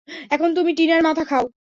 এখন তুমি টিনার মাথা খাও।